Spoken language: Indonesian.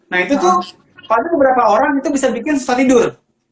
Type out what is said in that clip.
nah itu tuh paling beberapa orang itu bisa bikin susah tidur